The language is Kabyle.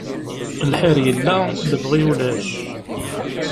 Lḥir yella, lebɣi ulac.